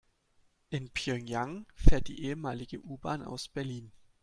In Pjöngjang fährt die ehemalige U-Bahn aus Berlin.